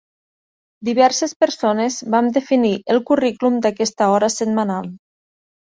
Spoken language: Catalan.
Diverses persones vam definir el currículum d'aquesta hora setmanal.